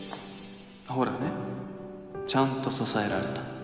ほらねちゃんと支えられた